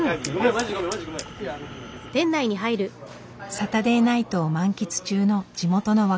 サタデーナイトを満喫中の地元の若者たち。